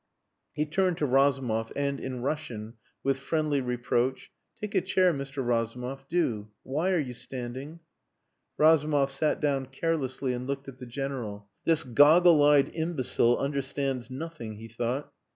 He turned to Razumov, and in Russian, with friendly reproach "Take a chair, Mr. Razumov do. Why are you standing?" Razumov sat down carelessly and looked at the General. "This goggle eyed imbecile understands nothing," he thought.